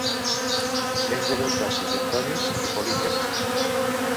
Menja crustacis bentònics i poliquets.